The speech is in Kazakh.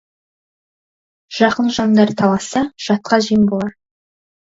Жақын жандар таласса, жатқа жем болар.